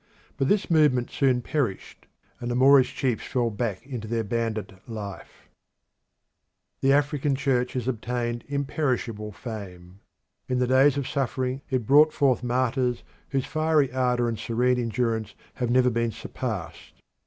But this movement soon perished, and the Moorish chiefs fell back into their bandit life. Roman Africa The African Church has obtained imperishable fame. In the days of suffering it brought forth martyrs whose fiery ardour and serene endurance have never been surpassed.